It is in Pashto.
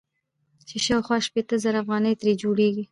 چې شاوخوا شپېته زره افغانۍ ترې جوړيږي.